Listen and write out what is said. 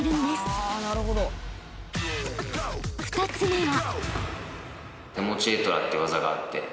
［二つ目は］